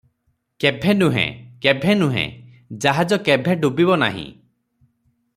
କେଭେଁ ନୁହେ - କେଭେଁ ନୁହେ - ଜାହାଜ କେଭେଁ ଡୁବିବ ନାହିଁ ।